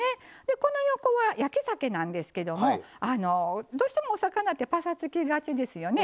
この横は焼きざけなんですけどどうしても、お魚ってぱさつきがちですよね。